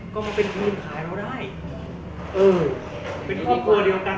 ก็มันเป็นทีมขายเราได้เออเป็นครอบครัวเดียวกัน